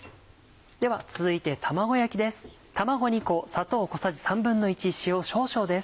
では続いて卵焼きです。